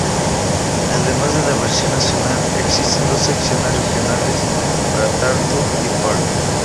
Además de la versión nacional, existen dos secciones regionales para Tartu y Pärnu.